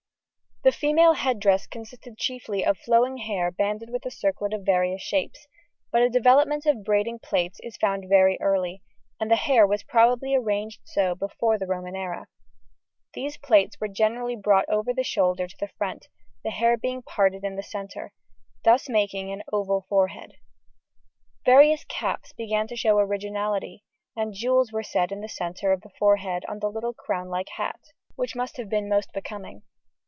The female head dress consisted chiefly of flowing hair banded with a circlet of various shapes, but a development of braiding plaits is found very early, and the hair was probably arranged so before the Roman era. These plaits were generally brought over the shoulder to the front, the hair being parted in the centre, thus making an oval forehead. Various caps began to show originality, and jewels were set in the centre of the forehead on the little crown like hat, which must have been most becoming.